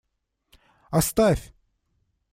Оставь!